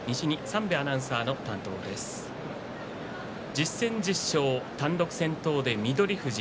１０戦１０勝、単独先頭で翠富士。